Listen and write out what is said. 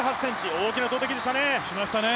大きな投てきでしたね。